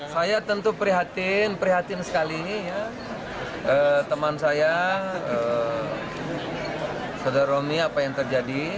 saya tentu prihatin prihatin sekali teman saya saudara romi apa yang terjadi